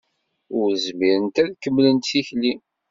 Ur zmirent ad kemmlent tikli.